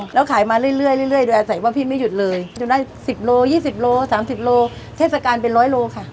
แล้วขายมาเรื่อยโดยอาศัยว่าพี่ไม่หยุดเลยหยุดได้๑๐โล๒๐โล๓๐โลเทศกาลเป็นร้อยโลค่ะ